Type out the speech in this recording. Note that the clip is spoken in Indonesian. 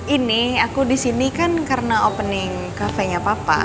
ini aku disini kan karena opening cafe nya papa